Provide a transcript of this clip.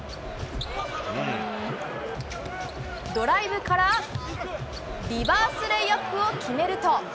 ドライブからリバースレイアップを決めると。